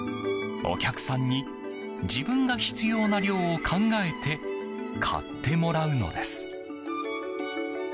お客さんに自分が必要な量を考えて買ってもらうのです。